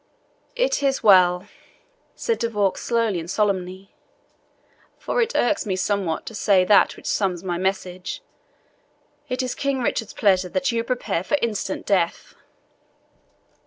"It is well," said De Vaux slowly and solemnly; "for it irks me somewhat to say that which sums my message. It is King Richard's pleasure that you prepare for instant death."